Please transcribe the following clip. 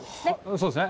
そうですね。